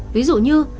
ví dụ như